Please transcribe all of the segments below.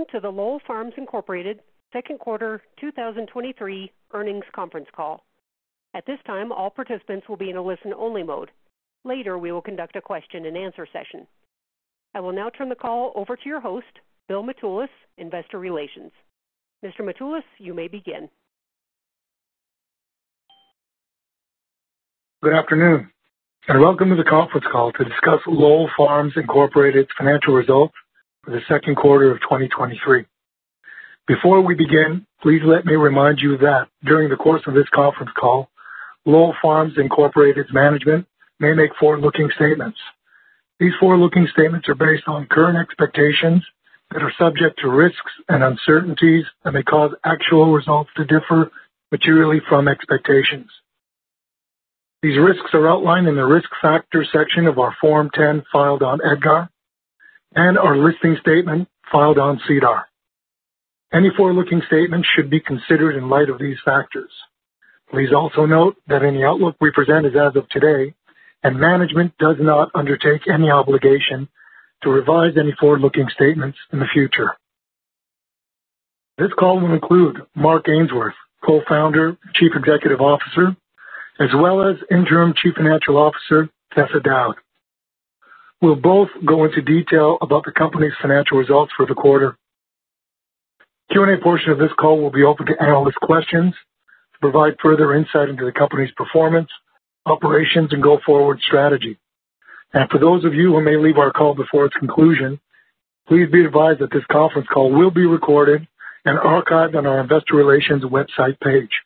Welcome to the Lowell Farms Inc. second quarter 2023 earnings conference call. At this time, all participants will be in a listen-only mode. Later, we will conduct a question-and-answer session. I will now turn the call over to your host, Bill Mitoulas, Investor Relations. Mr. Mitoulas, you may begin. Good afternoon, and welcome to the conference call to discuss Lowell Farms Incorporated's financial results for the second quarter of 2023. Before we begin, please let me remind you that during the course of this conference call, Lowell Farms Incorporated's management may make forward-looking statements. These forward-looking statements are based on current expectations that are subject to risks and uncertainties and may cause actual results to differ materially from expectations. These risks are outlined in the Risk Factors section of our Form 10 filed on EDGAR and our listing statement filed on SEDAR. Any forward-looking statements should be considered in light of these factors. Please also note that any outlook we present is as of today, and management does not undertake any obligation to revise any forward-looking statements in the future. This call will include Mark Ainsworth, Co-founder, Chief Executive Officer, as well as Interim Chief Financial Officer, Tessa O'Dowd, who will both go into detail about the company's financial results for the quarter. Q&A portion of this call will be open to analyst questions to provide further insight into the company's performance, operations, and go-forward strategy. For those of you who may leave our call before its conclusion, please be advised that this conference call will be recorded and archived on our investor relations website page.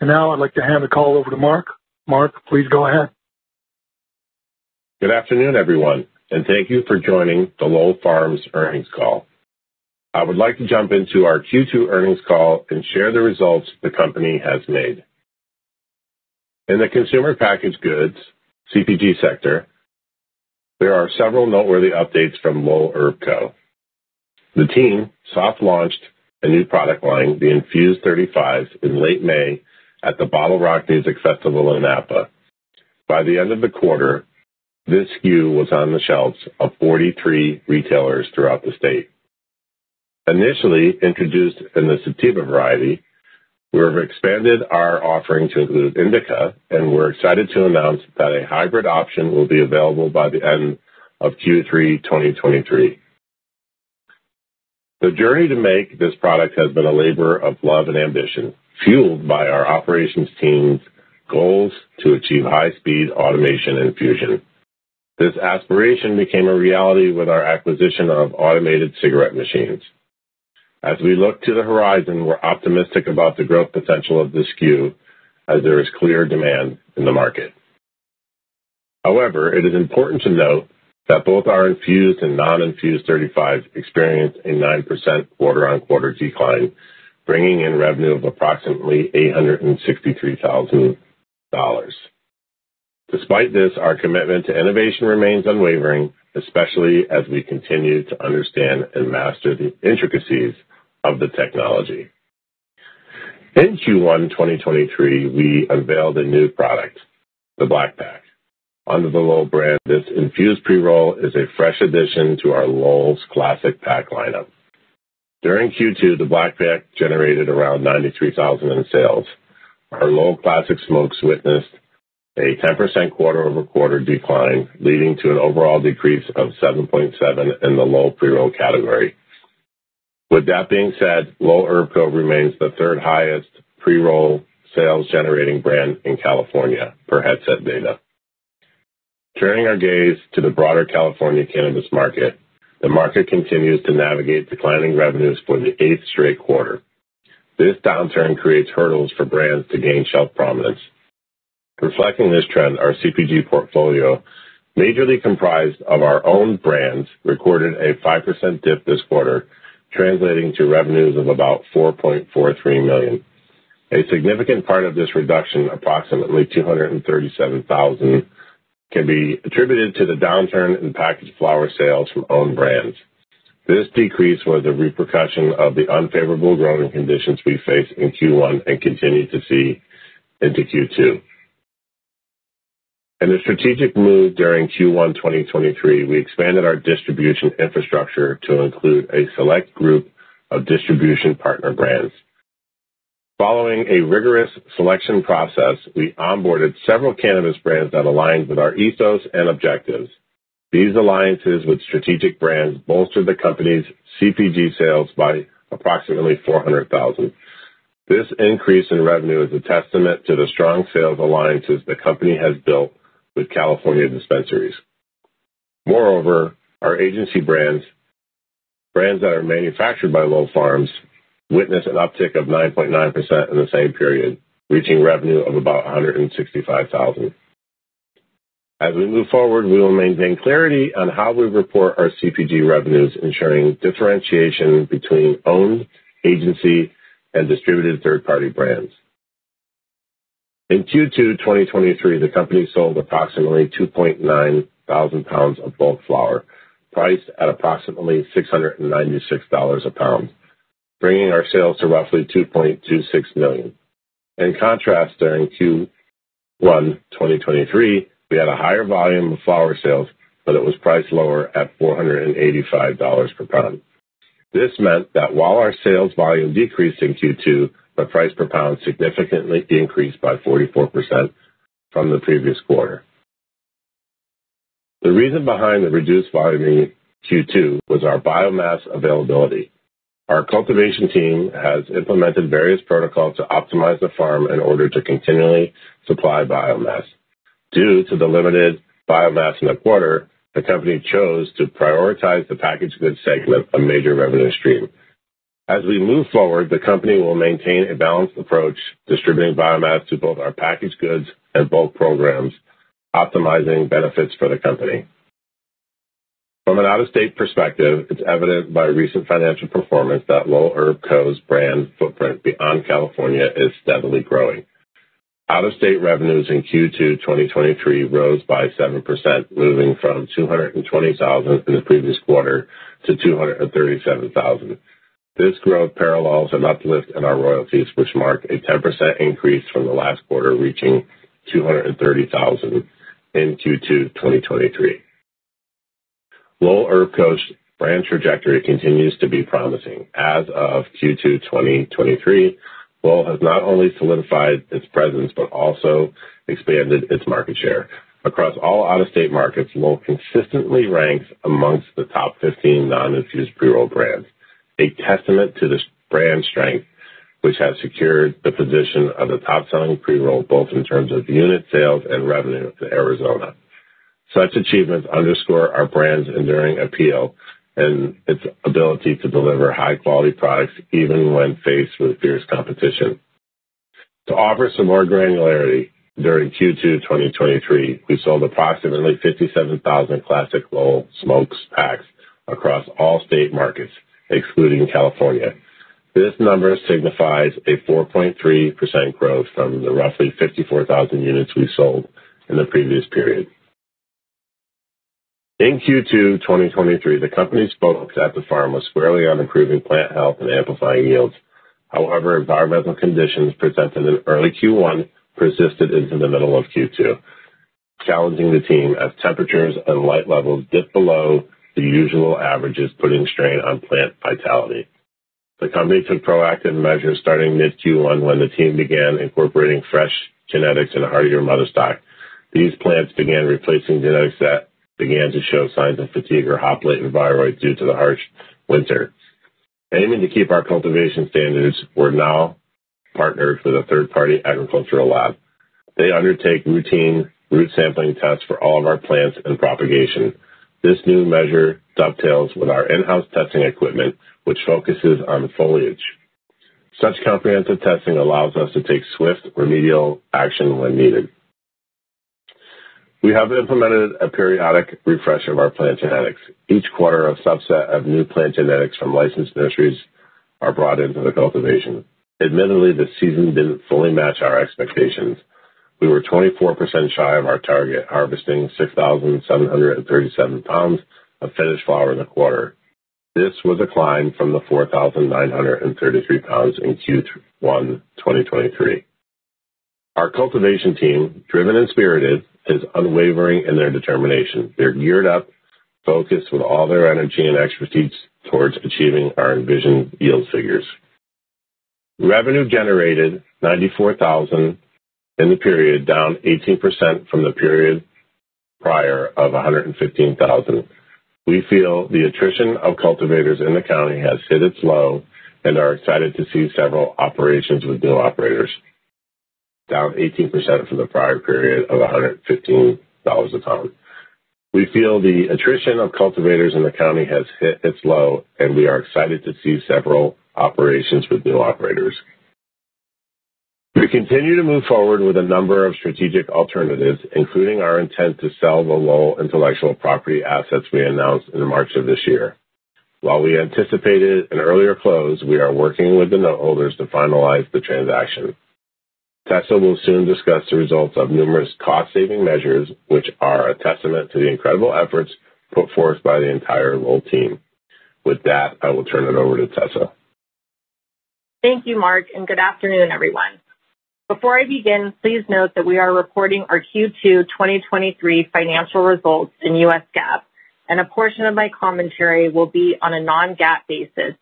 Now I'd like to hand the call over to Mark. Mark, please go ahead. Good afternoon, everyone, and thank you for joining the Lowell Farms' earnings call. I would like to jump into our Q2 earnings call and share the results the company has made. In the consumer-packaged goods, CPG sector, there are several noteworthy updates from Lowell Herb Co. The team soft launched a new product line, the Infused 35s, in late May at the BottleRock Napa Valley in Napa. By the end of the quarter, this SKU was on the shelves of 43 retailers throughout the state. Initially introduced in the sativa variety, we have expanded our offering to include Indica, and we're excited to announce that a Hybrid option will be available by the end of Q3 2023. The journey to make this product has been a labor of love and ambition, fueled by our operations team's goals to achieve high-speed automation infusion. This aspiration became a reality with our acquisition of automated cigarette machines. As we look to the horizon, we're optimistic about the growth potential of this SKU as there is clear demand in the market. However, it is important to note that both our Infused and Non-infused 35s experienced a 9% quarter-on-quarter decline, bringing in revenue of approximately $863,000. Despite this, our commitment to innovation remains unwavering, especially as we continue to understand and master the intricacies of the technology. In Q1 2023, we unveiled a new product, the Black Pack. Under the Lowell brand, this Infused Pre-roll is a fresh addition to our Lowell's classic pack lineup. During Q2, the Black Pack generated around $93,000 in sales. Our Lowell Classic Smokes witnessed a 10% quarter-over-quarter decline, leading to an overall decrease of 7.7 in the Lowell Pre-roll category. With that being said, Lowell Herb Co. remains the third highest pre-roll sales-generating brand in California per Headset data. Turning our gaze to the broader California cannabis market, the market continues to navigate declining revenues for the eighth straight quarter. This downturn creates hurdles for brands to gain shelf prominence. Reflecting this trend, our CPG portfolio, majorly comprised of our own brands, recorded a 5% dip this quarter, translating to revenues of about $4.43 million. A significant part of this reduction, approximately $237,000, can be attributed to the downturn in packaged flower sales from own brands. This decrease was a repercussion of the unfavorable growing conditions we faced in Q1 and continued to see into Q2. In a strategic move during Q1 2023, we expanded our distribution infrastructure to include a select group of distribution partner brands. Following a rigorous selection process, we onboarded several cannabis brands that aligned with our ethos and objectives. These alliances with strategic brands bolstered the company's CPG sales by approximately $400,000. This increase in revenue is a testament to the strong sales alliances the company has built with California dispensaries. Moreover, our agency brands, brands that are manufactured by Lowell Farms, witnessed an uptick of 9.9% in the same period, reaching revenue of about $165,000. As we move forward, we will maintain clarity on how we report our CPG revenues, ensuring differentiation between own, agency, and distributed third-party brands. In Q2 2023, the company sold approximately 2,900 pounds of bulk flower, priced at approximately $696 a pound. Bringing our sales to roughly $2.26 million. In contrast, during Q1 2023, we had a higher volume of flower sales, but it was priced lower at $485 per pound. This meant that while our sales volume decreased in Q2, the price per pound significantly increased by 44% from the previous quarter. The reason behind the reduced volume in Q2 was our biomass availability. Our cultivation team has implemented various protocols to optimize the farm in order to continually supply biomass. Due to the limited biomass in the quarter, the company chose to prioritize the packaged goods segment, a major revenue stream. As we move forward, the company will maintain a balanced approach, distributing biomass to both our packaged goods and both programs, optimizing benefits for the company. From an out-of-state perspective, it's evident by recent financial performance that Lowell Herb Co.'s brand footprint beyond California is steadily growing. Out-of-state revenues in Q2 2023 rose by 7%, moving from $220,000 in the previous quarter to $237,000. This growth parallels an uplift in our royalties, which mark a 10% increase from the last quarter, reaching $230,000 in Q2 2023. Lowell Herb Co.'s brand trajectory continues to be promising. As of Q2 2023, Lowell has not only solidified its presence but also expanded its market share. Across all out-of-state markets, Lowell consistently ranks amongst the top 15 non-infused pre-roll brands, a testament to the brand's strength, which has secured the position of the top-selling pre-roll, both in terms of unit sales and revenue to Arizona. Such achievements underscore our brand's enduring appeal and its ability to deliver high-quality products even when faced with fierce competition. To offer some more granularity, during Q2 2023, we sold approximately 57,000 classic Lowell Smokes packs across all state markets, excluding California. This number signifies a 4.3% growth from the roughly 54,000 units we sold in the previous period. In Q2 2023, the company's focus at the farm was squarely on improving plant health and amplifying yields. However, environmental conditions presented in early Q1 persisted into the middle of Q2, challenging the team as temperatures and light levels dipped below the usual averages, putting strain on plant vitality. The company took proactive measures starting mid-Q1 when the team began incorporating fresh genetics and heartier mother stock. These plants began replacing genetics that began to show signs of fatigue or hop latent viroid due to the harsh winter. Aiming to keep our cultivation standards, we're now partnered with a third-party agricultural lab. They undertake routine root sampling tests for all of our plants and propagation. This new measure dovetails with our in-house testing equipment, which focuses on foliage. Such comprehensive testing allows us to take swift remedial action when needed. We have implemented a periodic refresh of our plant genetics. Each quarter, a subset of new plant genetics from licensed nurseries are brought into the cultivation. Admittedly, the season didn't fully match our expectations. We were 24% shy of our target, harvesting 6,737 pounds of finished flower in the quarter. This was a decline from the 4,933 pounds in Q1 2023. Our cultivation team, driven and spirited, is unwavering in their determination. They're geared up, focused with all their energy and expertise towards achieving our envisioned yield figures. Revenue generated $94,000 in the period, down 18% from the period prior of $115,000. We feel the attrition of cultivators in the county has hit its low and are excited to see several operations with new operators. Down 18% from the prior period of $115 a pound. We feel the attrition of cultivators in the county has hit its low, and we are excited to see several operations with new operators. We continue to move forward with a number of strategic alternatives, including our intent to sell the Lowell intellectual property assets we announced in March of this year. While we anticipated an earlier close, we are working with the note holders to finalize the transaction. Tessa will soon discuss the results of numerous cost-saving measures, which are a testament to the incredible efforts put forth by the entire Lowell team. With that, I will turn it over to Tessa. Thank you, Mark, and good afternoon, everyone. Before I begin, please note that we are reporting our Q2 2023 financial results in U.S. GAAP, and a portion of my commentary will be on a non-GAAP basis.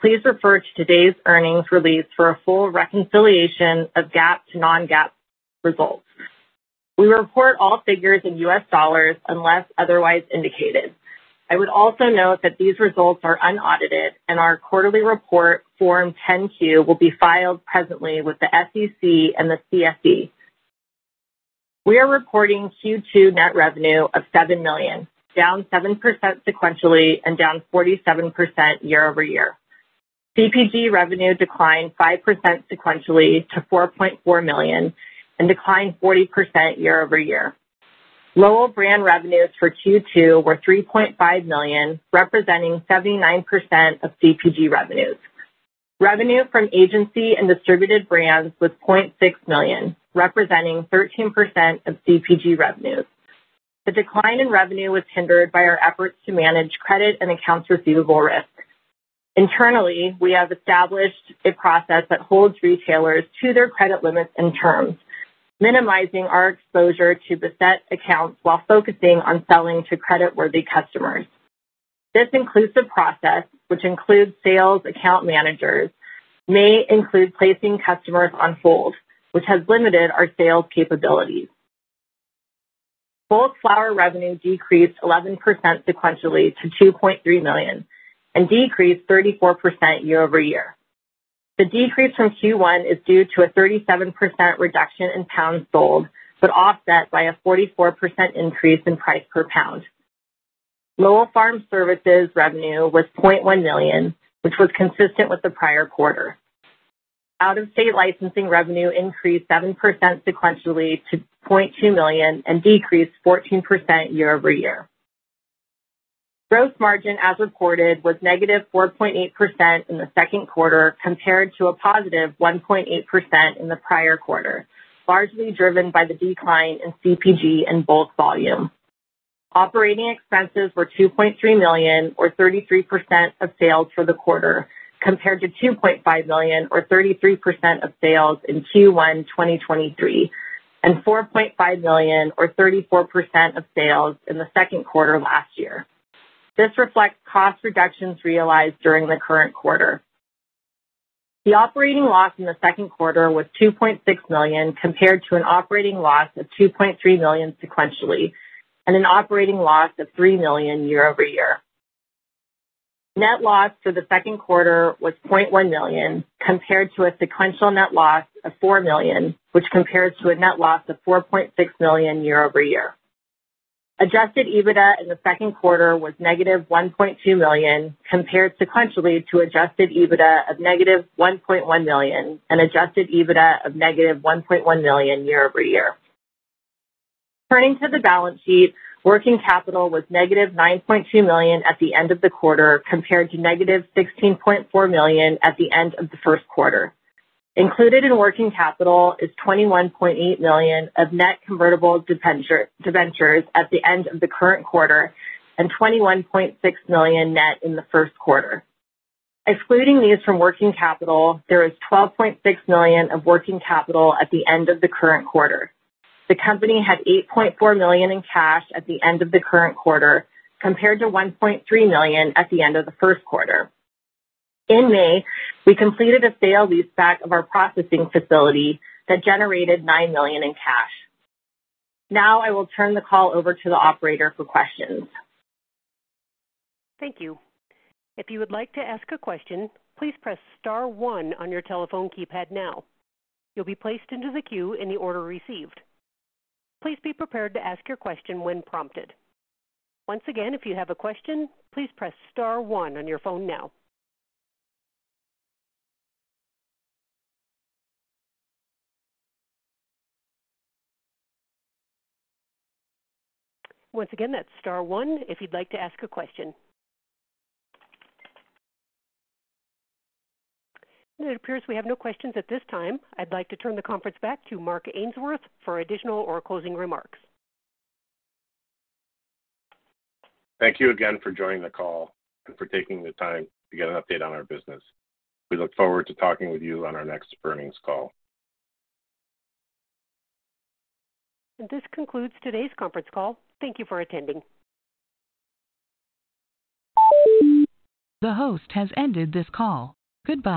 Please refer to today's earnings release for a full reconciliation of GAAP to non-GAAP results. We report all figures in U.S. dollars unless otherwise indicated. I would also note that these results are unaudited, and our quarterly report, Form 10-Q, will be filed presently with the SEC and the CSE. We are reporting Q2 net revenue of $7 million, down 7% sequentially and down 47% year-over-year. CPG revenue declined 5% sequentially to $4.4 million and declined 40% year-over-year. Lowell brand revenues for Q2 were $3.5 million, representing 79% of CPG revenues. Revenue from agency and distributed brands was $0.6 million, representing 13% of CPG revenues. The decline in revenue was hindered by our efforts to manage credit and accounts receivable risk. Internally, we have established a process that holds retailers to their credit limits and terms, minimizing our exposure to beset accounts while focusing on selling to creditworthy customers. This inclusive process, which includes sales account managers, may include placing customers on hold, which has limited our sales capabilities. Bulk flower revenue decreased 11% sequentially to $2.3 million and decreased 34% year-over-year. The decrease from Q1 is due to a 37% reduction in pounds sold, offset by a 44% increase in price per pound. Lowell Farm Services revenue was $0.1 million, which was consistent with the prior quarter. Out-of-state licensing revenue increased 7% sequentially to $0.2 million and decreased 14% year-over-year. Gross margin, as reported, was -4.8% in the second quarter compared to a positive 1.8% in the prior quarter, largely driven by the decline in CPG and bulk volume. Operating expenses were $2.3 million, or 33% of sales for the quarter, compared to $2.5 million or 33% of sales in Q1 2023, and $4.5 million or 34% of sales in the second quarter of last year. This reflects cost reductions realized during the current quarter. The operating loss in the second quarter was $2.6 million, compared to an operating loss of $2.3 million sequentially, and an operating loss of $3 million year-over-year. Net loss for the second quarter was $0.1 million, compared to a sequential net loss of $4 million, which compares to a net loss of $4.6 million year-over-year. Adjusted EBITDA in the second quarter was -$1.2 million, compared sequentially to adjusted EBITDA of -$1.1 million and adjusted EBITDA of -$1.1 million year-over-year. Turning to the balance sheet, working capital was -$9.2 million at the end of the quarter, compared to -$16.4 million at the end of the first quarter. Included in working capital is $21.8 million of net convertible debentures at the end of the current quarter and $21.6 million net in the first quarter. Excluding these from working capital, there is $12.6 million of working capital at the end of the current quarter. The company had $8.4 million in cash at the end of the current quarter, compared to $1.3 million at the end of the first quarter. In May, we completed a sale-leaseback of our processing facility that generated $9 million in cash. Now, I will turn the call over to the operator for questions. Thank you. If you would like to ask a question, please press star one on your telephone keypad now. You'll be placed into the queue in the order received. Please be prepared to ask your question when prompted. Once again, if you have a question, please press star one on your phone now. Once again, that's star one if you'd like to ask a question. And it appears we have no questions at this time. I'd like to turn the conference back to Mark Ainsworth for additional or closing remarks. Thank you again for joining the call and for taking the time to get an update on our business. We look forward to talking with you on our next earnings call. This concludes today's conference call. Thank you for attending. The host has ended this call. Goodbye.